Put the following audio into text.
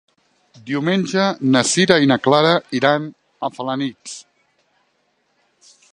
Diumenge na Sira i na Clara iran a Felanitx.